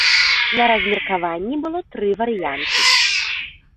На размеркаванні было тры варыянты.